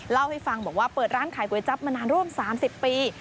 เล่าให้ฟังบอกว่าเปิดร้านขายก๋วยจับมานานร่วม๓๐ปี